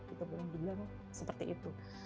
kita belum bilang seperti itu